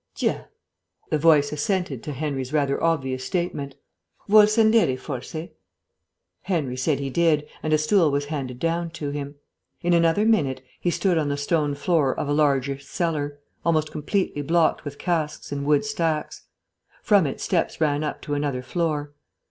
"Già," the voice assented to Henry's rather obvious statement. "Voul scendere, forse?" Henry said he did, and a stool was handed down to him. In another minute he stood on the stone floor of a largish cellar, almost completely blocked with casks and wood stacks. From it steps ran up to another floor.